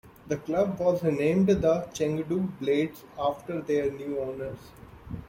The club was renamed the Chengdu Blades, after their new owners.